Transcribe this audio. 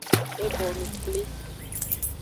E bonu kpli.